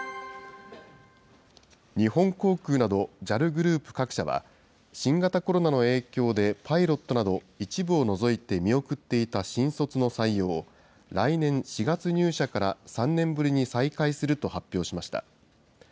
日本航空などＪＡＬグループ各社は、新型コロナの影響でパイロットなど一部を除いて見送っていた新卒の採用を、来年４月入社から３年ぶりに再開すると発表しました。